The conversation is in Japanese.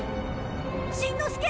しんのすけ！